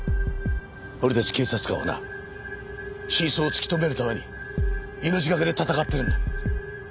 俺たち警察官はな真相を突き止めるために命懸けで戦ってるんだ。